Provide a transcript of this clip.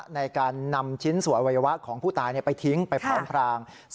ในการนำชิ้นส่วนอวัยวะของผู้ตายไปทิ้งไปพร้อมพราง